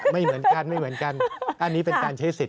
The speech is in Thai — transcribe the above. ไม่เหมือนกันอันนี้เป็นการใช้สิทธิ์